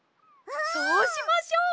そうしましょう！